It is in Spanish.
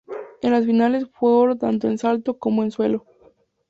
En las finales fue oro tanto en salto como en suelo.